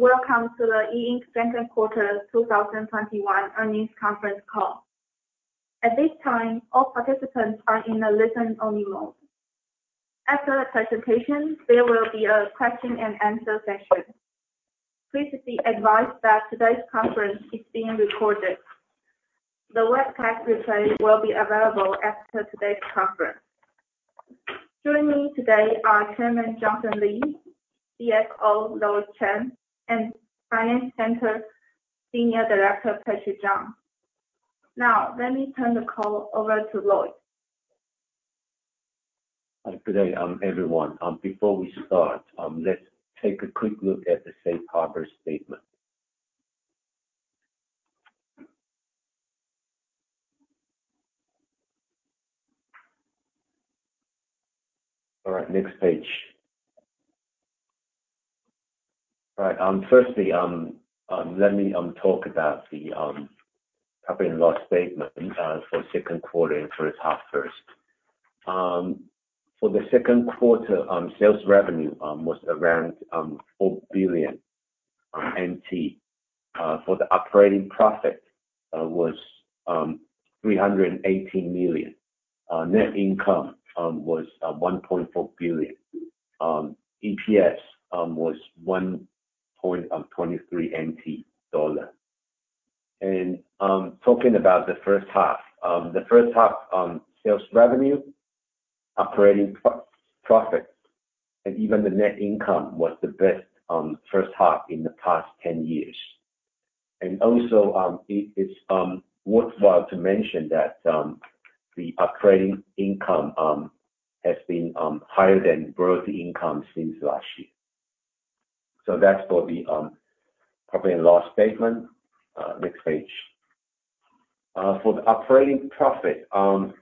Welcome to the E Ink Second Quarter 2021 Earnings Conference Call. At this time, all participants are in a listen-only mode. After the presentation, there will be a question and answer session. Please be advised that today's conference is being recorded. The webcast replay will be available after today's conference. Joining me today are Chairman Johnson Lee, CFO Lloyd Chen, and Finance Center Senior Director Patrick Chang. Now, let me turn the call over to Lloyd. Hi. Good day, everyone. Before we start, let's take a quick look at the safe harbor statement. All right, next page. All right. Let me talk about the profit and loss statement for second quarter and for the first half first. For the second quarter, sales revenue was around 4 billion NT. Operating profit was 318 million. Net income was 1.4 billion. EPS was 1.23 NT dollar. Talking about the first half. The first half sales revenue, operating profit, and even the net income was the best first half in the past 10 years. Also, it's worthwhile to mention that the operating income has been higher than gross income since last year. That's for the profit and loss statement. Next page. For the operating profit. The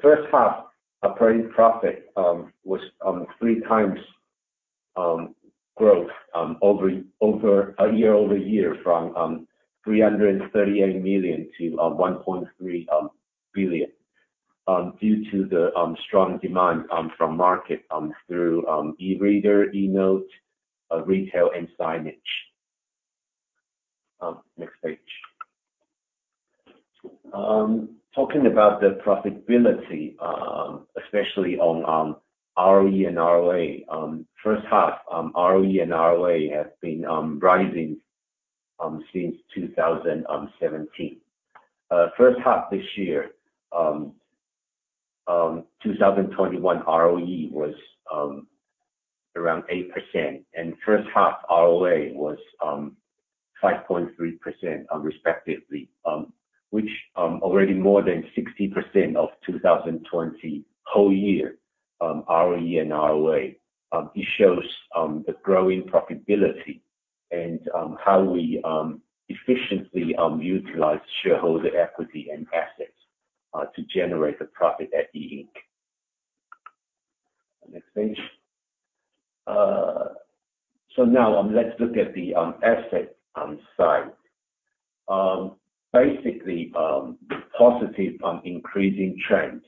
first half operating profit was 3x growth year-over-year from 338 million to 1.3 billion due to the strong demand from market through e-reader, e-note, retail, and signage. Next page. Talking about the profitability, especially on ROE and ROA. First half ROE and ROA have been rising since 2017. First half this year, 2021 ROE was around 8%, and first half ROA was 5.3% respectively, which already more than 60% of 2020 whole year ROE and ROA. It shows the growing profitability and how we efficiently utilize shareholder equity and assets to generate the profit at E Ink. Next page. Now, let's look at the asset side. Basically, positive increasing trend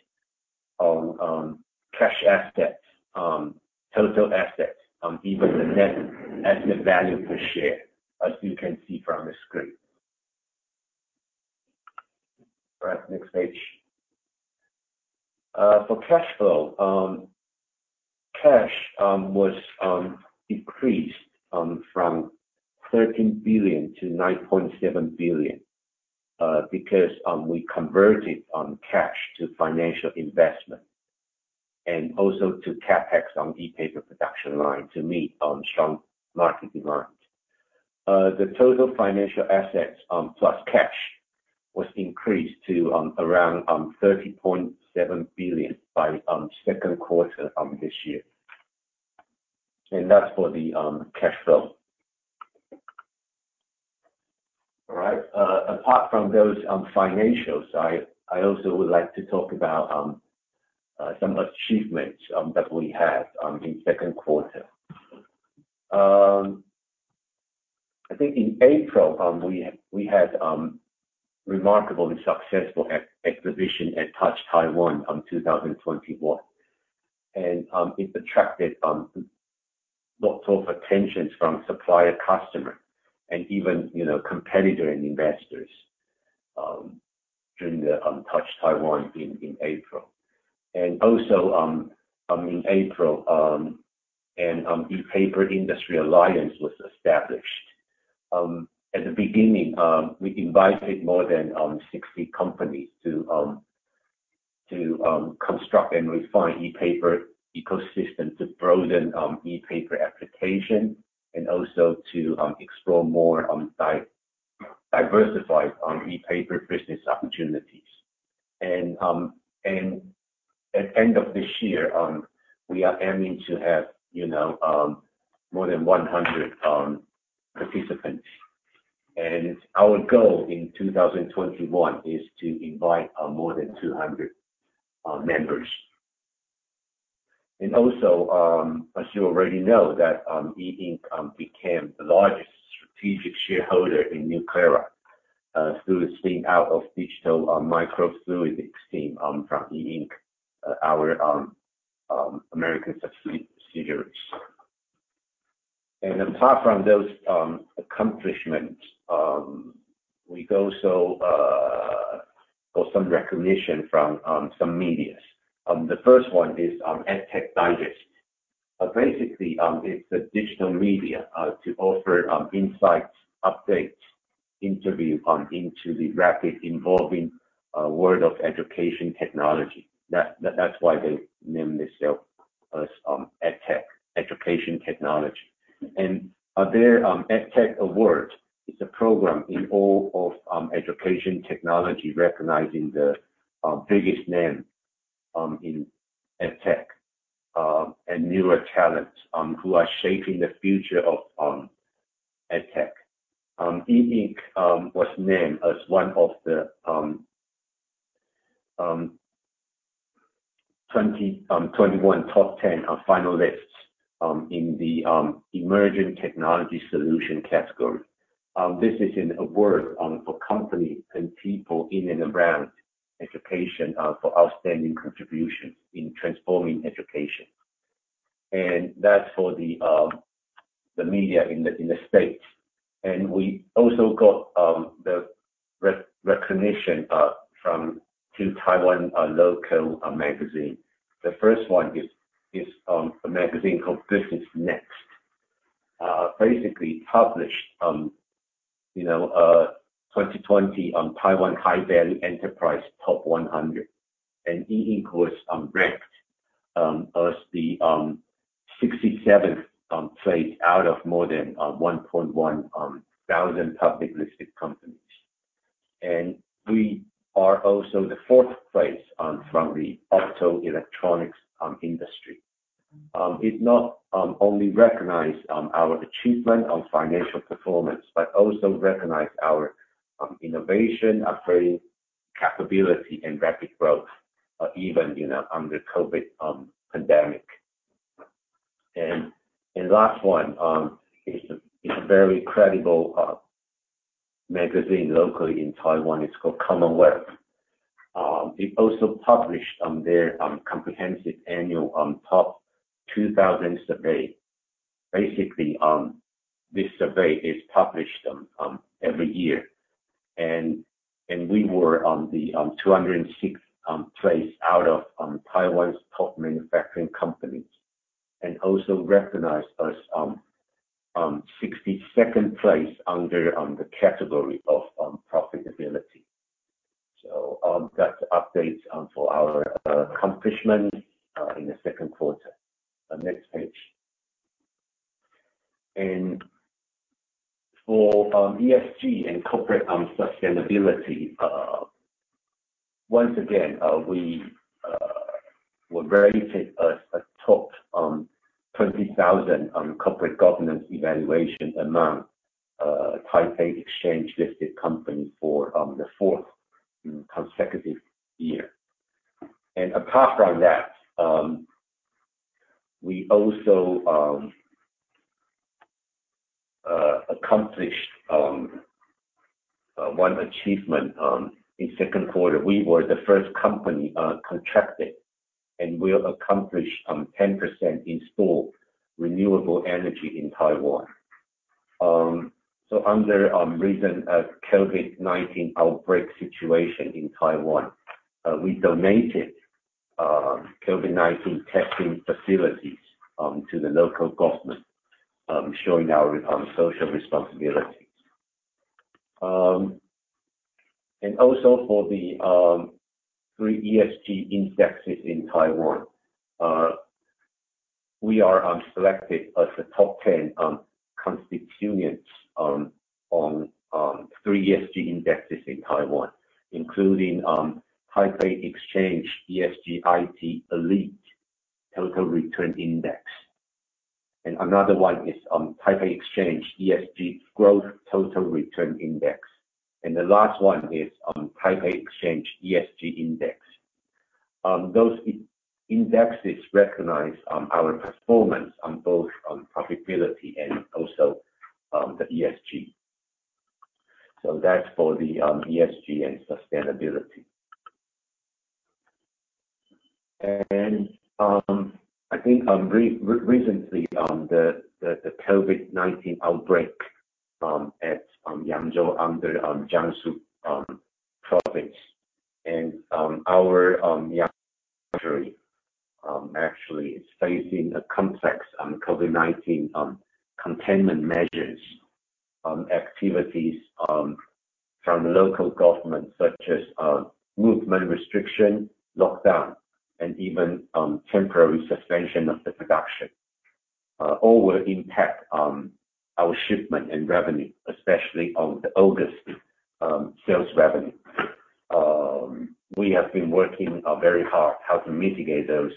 on cash assets, total assets, even the net asset value per share, as you can see from the screen. All right, next page. For cash flow. Cash was decreased from 13 billion to 9.7 billion because we converted cash to financial investment and also to CapEx on ePaper production line to meet strong market demand. The total financial assets plus cash was increased to around 30.7 billion by second quarter this year. That's for the cash flow. All right. Apart from those financials, I also would like to talk about some achievements that we had in second quarter. I think in April, we had remarkably successful exhibition at Touch Taiwan 2021. It attracted lots of attentions from supplier, customer, and even competitor and investors during the Touch Taiwan in April. Also in April, an ePaper Industry Alliance was established. At the beginning, we invited more than 60 companies to construct and refine ePaper ecosystem to broaden ePaper application and also to explore more diversified ePaper business opportunities. At end of this year, we are aiming to have more than 100 participants. Our goal in 2021 is to invite more than 200 members. Also, as you already know, that E Ink became the largest strategic shareholder in Nuclera, through the spin out of digital microfluidics from E Ink, our American subsidiary. Apart from those accomplishments, we also got some recognition from some media. The first one is EdTech Digest. Basically, it's a digital media to offer insights, updates, interviews into the rapidly evolving world of education technology. That's why they named themselves as EdTech, education technology. Their The EdTech Awards is a program in awe of education technology, recognizing the biggest names in EdTech, and newer talents who are shaping the future of EdTech. E Ink was named as one of the 2021 top 10 finalists in the emerging technology solution category. This is an award for company and people in and around education for outstanding contribution in transforming education. That's for the media in the States. We also got the recognition from two Taiwan local magazine. The first one is a magazine called Business Next. Basically published 2020 Taiwan High Value Enterprise Top 100. E Ink was ranked as the 67th place out of more than 1,100 publicly listed companies. We are also the fourth place from the optoelectronics industry. It not only recognize our achievement on financial performance, but also recognize our innovation, upgrade capability, and rapid growth, even under COVID pandemic. Last one, is a very credible magazine locally in Taiwan. It's called CommonWealth. It also published their comprehensive annual Top 2,000 Survey. Basically, this survey is published every year. We were on the 206th place out of Taiwan's top manufacturing companies. Also recognized us 62nd place under the category of profitability. That's updates for our accomplishment in the second quarter. Next page. For ESG and corporate sustainability, once again, we were [rated as a top 20,000] corporate governance evaluation among Taipei Exchange-listed company for the fourth consecutive year. Apart from that, we also accomplished one achievement in second quarter. We were the first company contracted, and we have accomplished 10% installed renewable energy in Taiwan. Under recent COVID-19 outbreak situation in Taiwan, we donated COVID-19 testing facilities to the local government, showing our social responsibility. Also for the three ESG indexes in Taiwan, we are selected as the top 10 constituents on three ESG indexes in Taiwan, including Taipei Exchange ESG IT Elite Total Return Index. Another one is Taipei Exchange ESG Growth Total Return Index. The last one is Taipei Exchange ESG Index. Those indexes recognize our performance on both profitability and also the ESG. That's for the ESG and sustainability. I think recently, the COVID-19 outbreak at Yangzhou under Jiangsu Province. Our Yangzhou factory actually is facing a complex COVID-19 containment measures, activities from local government such as movement restriction, lockdown, and even temporary suspension of the production. All will impact our shipment and revenue, especially the August sales revenue. We have been working very hard how to mitigate those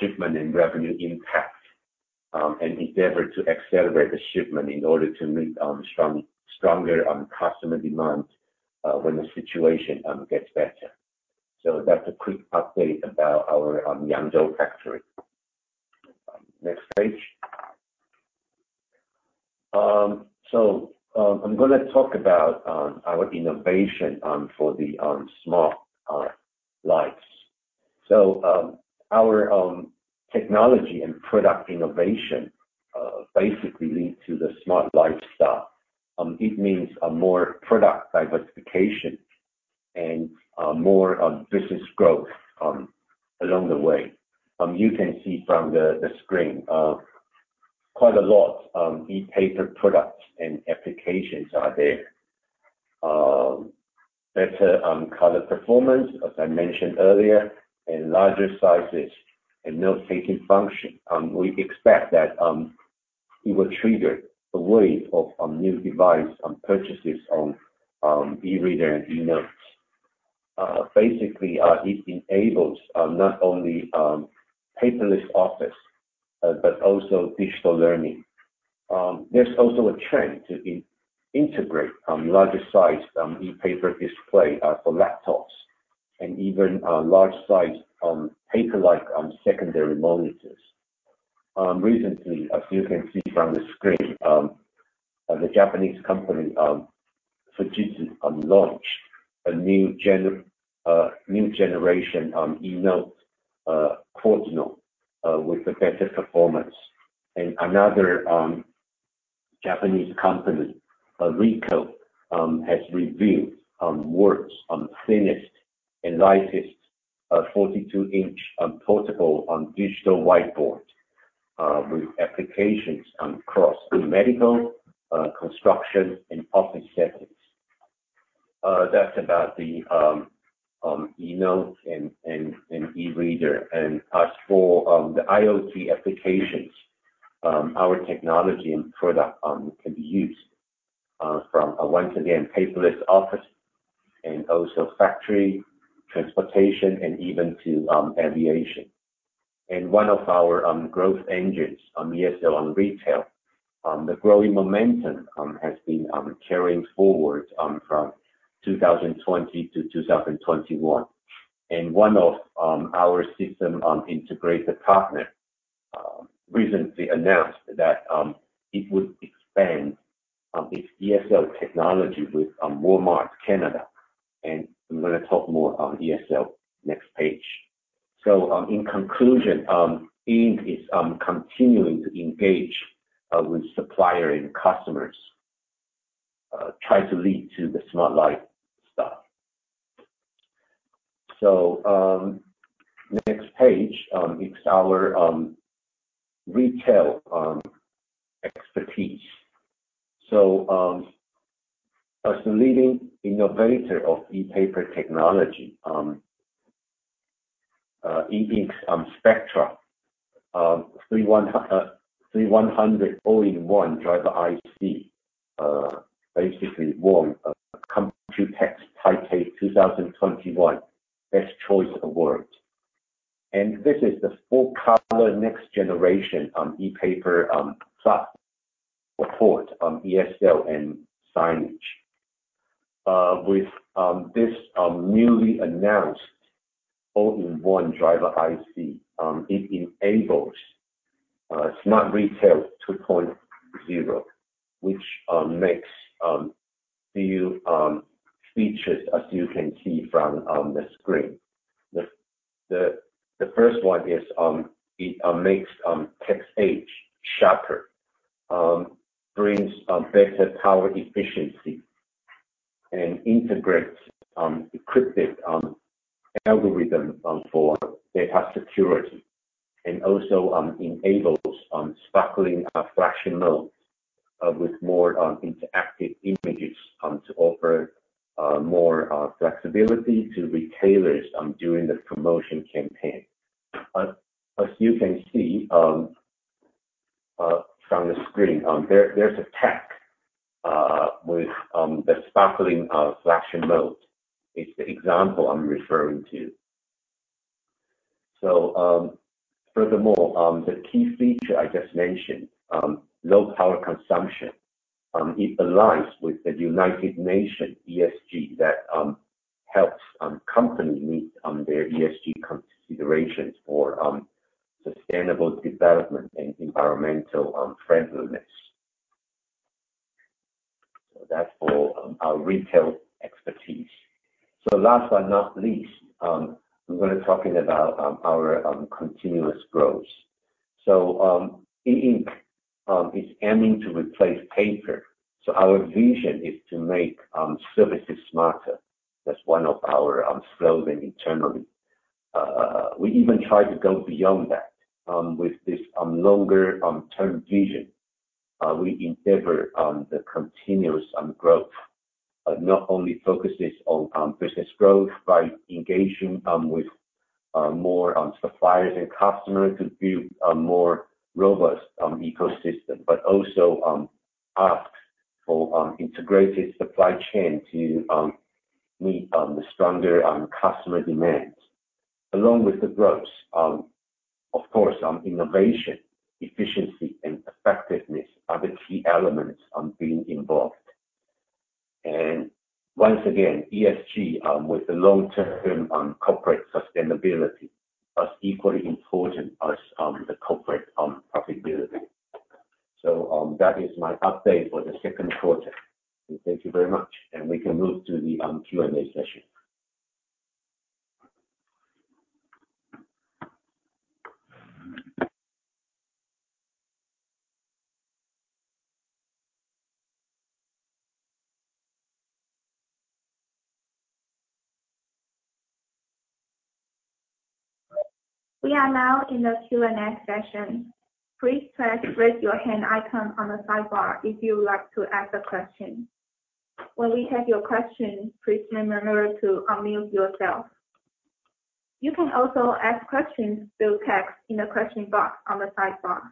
shipment and revenue impact, and endeavor to accelerate the shipment in order to meet stronger customer demand when the situation gets better. That's a quick update about our Yangzhou factory. Next page. I'm going to talk about our innovation for the smart life. Our technology and product innovation basically lead to the smart life style. It means more product diversification and more business growth along the way. You can see from the screen, quite a lot of ePaper products and applications are there. Better color performance, as I mentioned earlier, and larger sizes, and note-taking function. We expect that it will trigger a wave of new device purchases on e-reader and e-notes. Basically, it enables not only paperless office, but also digital learning. There's also a trend to integrate larger size ePaper display for laptops and even large size paper-like secondary monitors. Recently, as you can see from the screen, the Japanese company, Fujitsu, launched a new generation of e-note, QUADERNO, with better performance. Another Japanese company, Ricoh, has revealed world's thinnest and lightest 42-inch portable digital whiteboard with applications across the medical, construction, and office settings. That's about the e-note and e-reader. As for the IoT applications, our technology and product can be used from, once again, paperless office and also factory, transportation, and even to aviation. One of our growth engines on ESL on retail, the growing momentum has been carrying forward from 2020 to 2021. One of our system integrator partner recently announced that it would expand its ESL technology with Walmart Canada, I am going to talk more on ESL. Next page. In conclusion, E Ink is continuing to engage with supplier and customers, try to lead to the smart life style. Next page. It is our retail expertise. As the leading innovator of ePaper technology, E Ink's Spectra 3100 all-in-one driver IC basically won Computex Taipei 2021 Best Choice Award. This is the full color next generation on ePaper platform for bothon ESL and signage. With this newly announced all-in-one driver IC, it enables Smart Retail 2.0, which makes new features, as you can see from the screen. The first one is it makes text edge sharper, brings better power efficiency, and integrates encrypted algorithm for data security, and also enables sparkling flashing mode with more interactive images to offer more flexibility to retailers during the promotion campaign. As you can see from the screen, there's a tech with the sparkling flashing mode. It's the example I'm referring to. Furthermore, the key feature I just mentioned, low power consumption, it aligns with the United Nations ESG that helps companies meet their ESG considerations for sustainable development and environmental friendliness. That's for our retail expertise. Last but not least, we're going to talking about our continuous growth. E Ink is aiming to replace paper. Our vision is to make surfaces smarter. That's one of our slogan internally. We even try to go beyond that with this longer-term vision. We endeavor on the continuous growth. It not only focuses on business growth by engaging with more suppliers and customers to build a more robust ecosystem, but also ask for integrated supply chain to meet the stronger customer demands. Along with the growth, of course, innovation, efficiency, and effectiveness are the key elements on being involved. Once again, ESG with the long-term corporate sustainability as equally important as the corporate profitability. That is my update for the second quarter. Thank you very much, and we can move to the Q&A session. We are now in the Q&A session. Please press Raise Your Hand icon on the sidebar if you would like to ask a question. When we take your question, please remember to unmute yourself. You can also ask questions through text in the question box on the sidebar.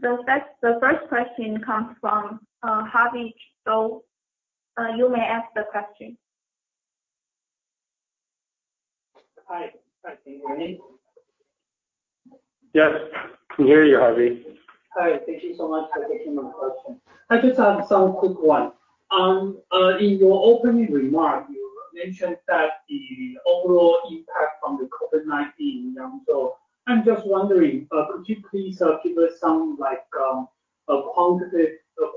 The first question comes from [Harvey Zhou]. You may ask the question. Hi. Can you hear me? Yes. We hear you, Harvey. All right. Thank you so much for taking my question. I just have some quick one. In your opening remark, you mentioned that the overall impact from the COVID-19, Yangzhou. I'm just wondering, could you please give us some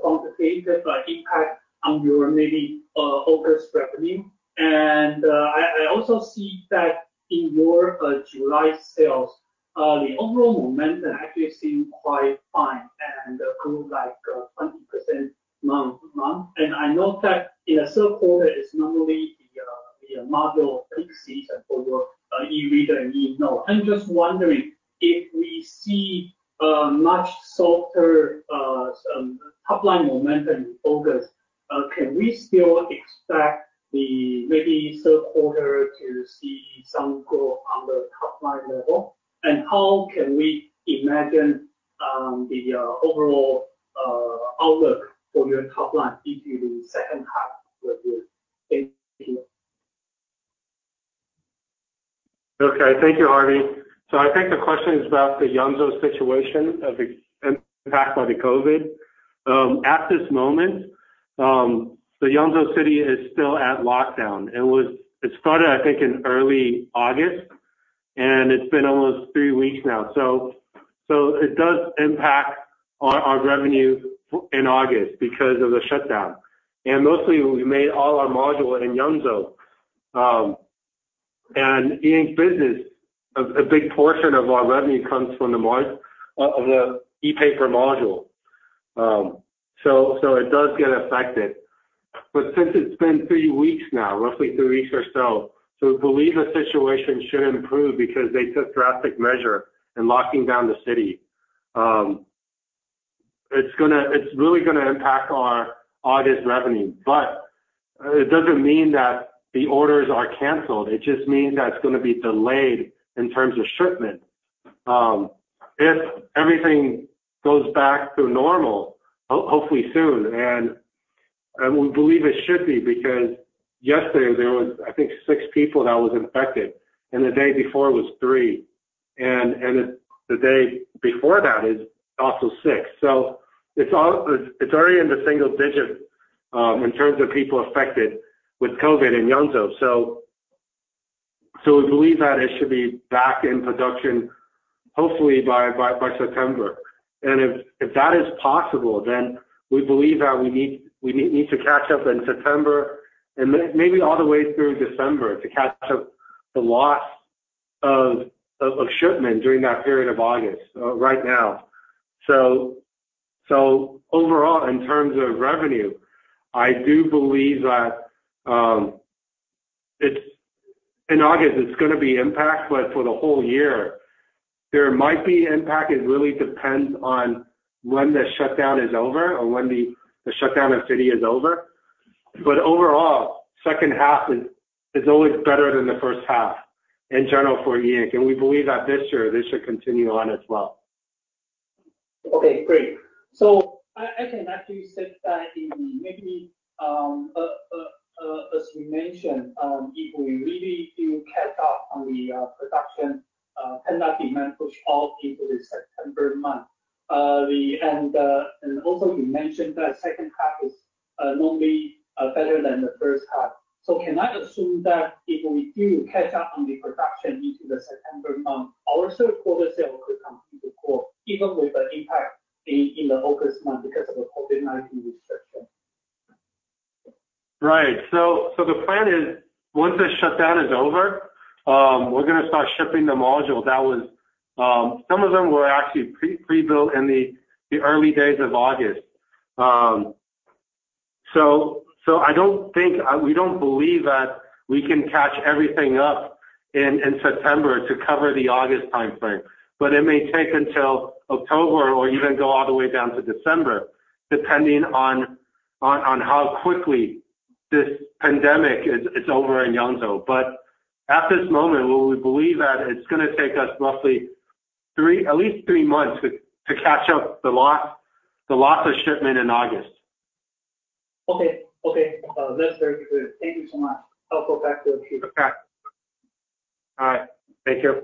quantitative impact on your maybe August revenue? I also see that in your July sales, the overall momentum actually seem quite fine and grew 20% month-on-month. I know that in the third quarter is normally the module peak season for E Ink reader and E note. I'm just wondering if we see a much softer top line momentum in August, can we still expect the maybe third quarter to see some growth on the top line level? How can we imagine the overall outlook for your top line into the second half of the year? Thank you. Okay. Thank you, Harvey. I think the question is about the Yangzhou situation of the impact by the COVID. At this moment, the Yangzhou city is still at lockdown. It started, I think, in early August, it's been almost three weeks now. It does impact our revenue in August because of the shutdown. Mostly, we made all our module in Yangzhou. E Ink business, a big portion of our revenue comes from the ePaper module. It does get affected. Since it's been three weeks now, roughly three weeks or so, we believe the situation should improve because they took drastic measure in locking down the city. It's really going to impact our August revenue, it doesn't mean that the orders are canceled. It just means that it's going to be delayed in terms of shipment. If everything goes back to normal, hopefully soon, and we believe it should be because yesterday there was, I think, six people that was infected, and the day before it was three, and the day before that is also six. It's already in the single digit in terms of people affected with COVID in Yangzhou. We believe that it should be back in production, hopefully by September. If that is possible, then we believe that we need to catch up in September and maybe all the way through December to catch up the loss of shipment during that period of August right now. Overall, in terms of revenue, I do believe that in August, it's going to be impact, but for the whole year, there might be impact. It really depends on when the shutdown is over or when the shutdown of city is over. Overall, second half is always better than the first half in general for a year. We believe that this year, this should continue on as well. Okay, great. I can actually say that maybe as you mentioned, if we really do catch up on the production, pent-up demand push all into the September month. Also you mentioned that second half is normally better than the first half. Can I assume that if we do catch up on the production into the September month, our third quarter sales could come through the core even with the impact in the August month because of the COVID-19 restriction? Right. The plan is once the shutdown is over, we're going to start shipping the module. Some of them were actually pre-built in the early days of August. We don't believe that we can catch everything up in September to cover the August timeframe, but it may take until October or even go all the way down to December, depending on how quickly this pandemic is over in Yangzhou. At this moment, we believe that it's going to take us roughly at least three months to catch up the loss of shipment in August. Okay. Okay. That's very good. Thank you so much. I'll go back to the queue. Okay. All right. Take care.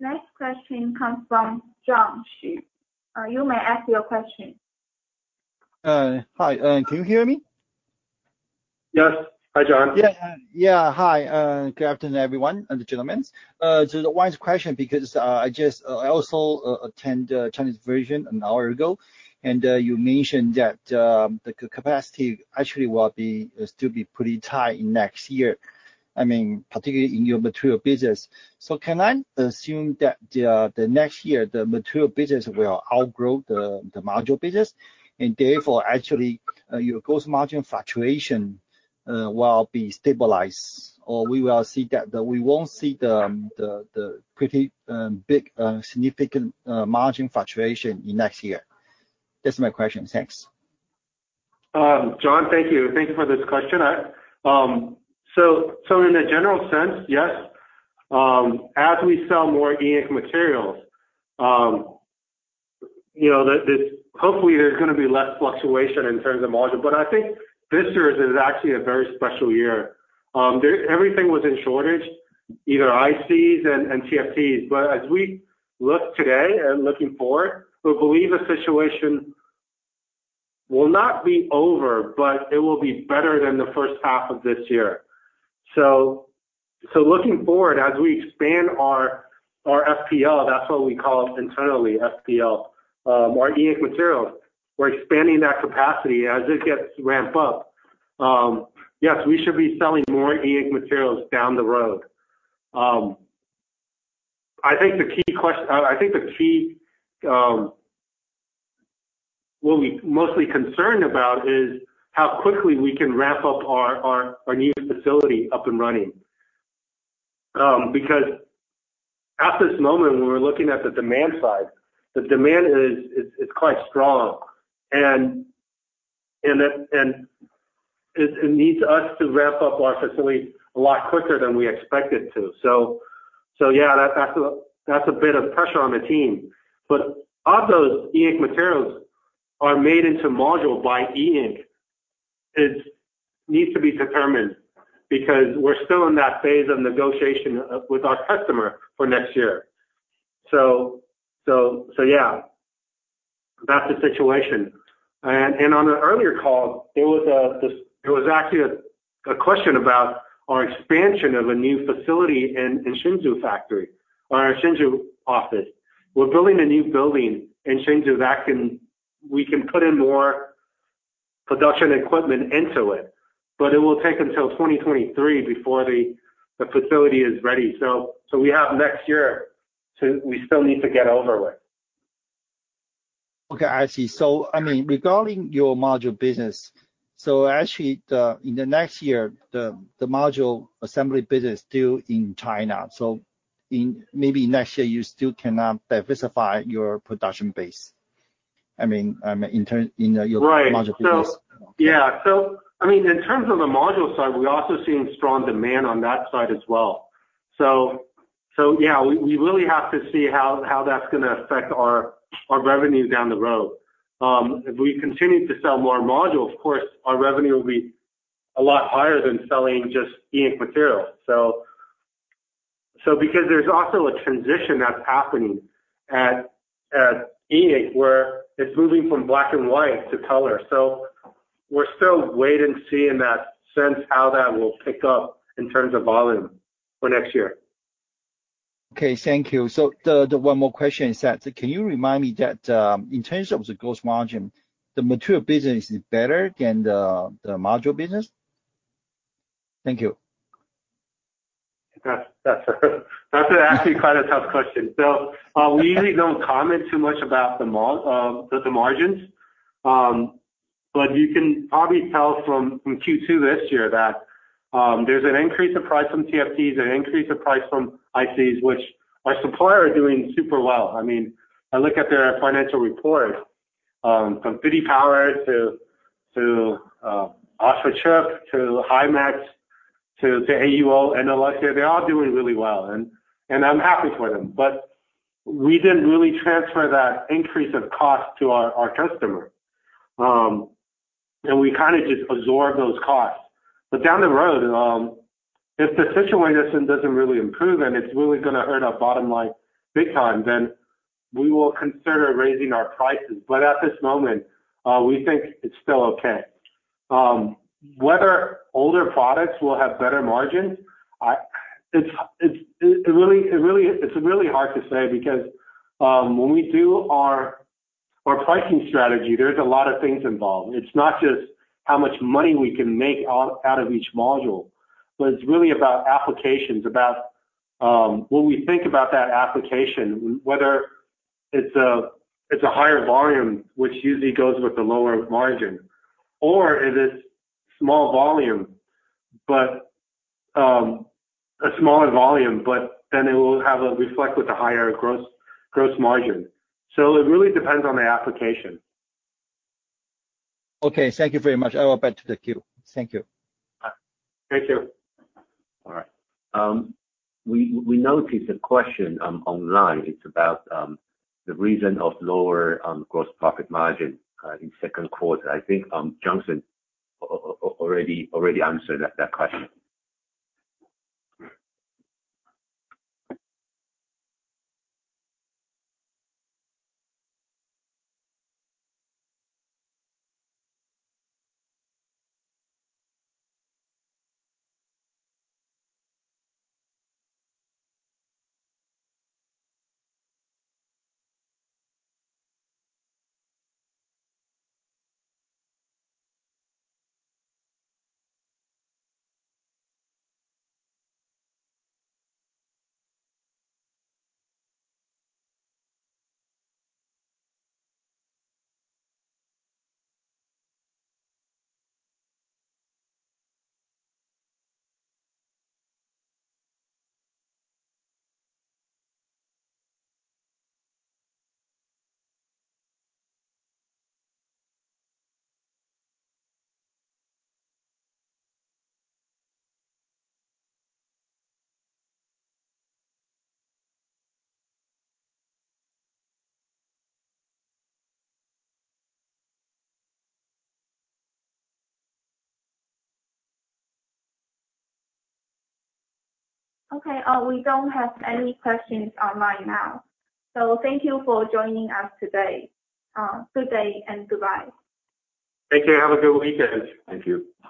Next question comes from [John Xu]. You may ask your question. Hi, can you hear me? Yes. Hi, John. Yeah. Hi. Good afternoon, everyone, and the gentlemen. One question, because I also attend Chinese version an hour ago, and you mentioned that the capacity actually will still be pretty tight in next year, particularly in your material business. Can I assume that next year, the material business will outgrow the module business, and therefore, actually, your gross margin fluctuation will be stabilized? We won't see the pretty big significant margin fluctuation in next year? That's my question. Thanks. John, thank you. Thank you for this question. In a general sense, yes. As we sell more E Ink materials, hopefully there is going to be less fluctuation in terms of margin. I think this year is actually a very special year. Everything was in shortage, either ICs and TFTs. As we look today and looking forward, we believe the situation will not be over, but it will be better than the first half of this year. Looking forward, as we expand our FPL, that is what we call it internally, FPL, our E Ink materials, we are expanding that capacity as it gets ramped up. Yes, we should be selling more E Ink materials down the road. I think the key we are mostly concerned about is how quickly we can ramp up our new facility up and running. At this moment, when we're looking at the demand side, the demand is quite strong, and it needs us to ramp up our facility a lot quicker than we expected to. Yeah, that's a bit of pressure on the team. Of those E Ink materials are made into module by E Ink, it needs to be determined because we're still in that phase of negotiation with our customer for next year. Yeah, that's the situation. On an earlier call, there was actually a question about our expansion of a new facility in our Hsinchu office. We're building a new building in Hsinchu that we can put in more production equipment into it will take until 2023 before the facility is ready. We have next year, we still need to get over with. Okay, I see. Regarding your module business, actually, in the next year, the module assembly business still in China. Maybe next year, you still cannot diversify your production base. I mean, in your module business. Yeah. In terms of the module side, we're also seeing strong demand on that side as well. We really have to see how that's going to affect our revenue down the road. If we continue to sell more modules, of course, our revenue will be a lot higher than selling just E Ink material. There's also a transition that's happening at E Ink, where it's moving from black and white to color. We're still wait and seeing that sense how that will pick up in terms of volume for next year. Okay, thank you. One more question is that, can you remind me that in terms of the gross margin, the material business is better than the module business? Thank you. That's actually quite a tough question. We usually don't comment too much about the margins. You can probably tell from Q2 this year that there's an increase of price from TFTs, an increase of price from ICs, which our supplier are doing super well. I look at their financial report, from Sitronix to UltraChip to Himax to AUO and Novatek, they're all doing really well, and I'm happy for them. We didn't really transfer that increase of cost to our customer. We kind of just absorb those costs. Down the road, if the situation doesn't really improve and it's really going to hurt our bottom line big time, then we will consider raising our prices. At this moment, we think it's still okay. Whether older products will have better margins, it's really hard to say because when we do our pricing strategy, there's a lot of things involved. It's not just how much money we can make out of each module, but it's really about applications. About when we think about that application, whether it's a higher volume, which usually goes with a lower margin, or it is a smaller volume, but then it will have a reflect with a higher gross margin. It really depends on the application. Okay. Thank you very much. I will go back to the queue. Thank you. Thank you. All right. We noticed a question online. It's about the reason of lower gross profit margin in second quarter. I think Johnson already answered that question. Okay. We don't have any questions online now. Thank you for joining us today. Good day and goodbye. Take care. Have a good weekend. Thank you.